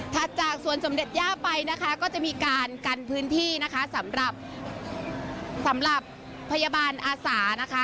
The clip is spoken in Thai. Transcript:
จากสวนสมเด็จย่าไปนะคะก็จะมีการกันพื้นที่นะคะสำหรับสำหรับพยาบาลอาสานะคะ